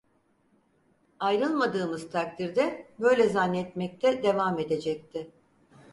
Ayrılmadığımız takdirde böyle zannetmekte devam edecekti.